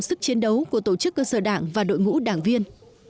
sức chiến đấu của tổ chức cơ sở đảng và đội ngũ đảng viên